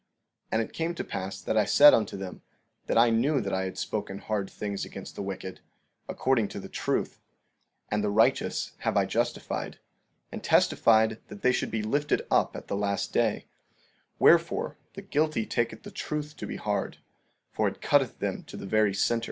16:2 And it came to pass that I said unto them that I knew that I had spoken hard things against the wicked, according to the truth; and the righteous have I justified, and testified that they should be lifted up at the last day; wherefore, the guilty taketh the truth to be hard, for it cutteth them to the very center.